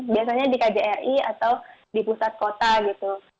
biasanya di kjri atau di pusat kota gitu